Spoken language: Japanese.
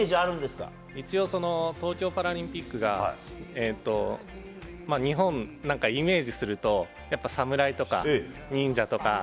一応、東京パラリンピックが日本をイメージすると侍とか忍者とか。